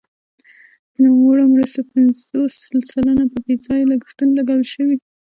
د نوموړو مرستو پنځوس سلنه په بې ځایه لګښتونو لګول شوي.